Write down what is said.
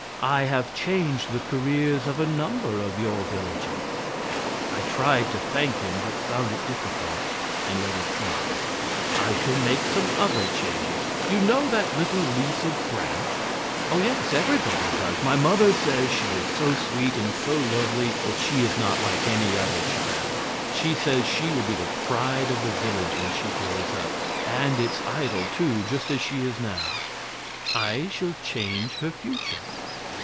"I have changed the careers of a number of your villagers." I tried to thank him, but found it difficult, and let it drop. "I shall make some other changes. You know that little Lisa Brandt?" "Oh yes, everybody does. My mother says she is so sweet and so lovely that she is not like any other child. She says she will be the pride of the village when she grows up; and its idol, too, just as she is now." "I shall change her future."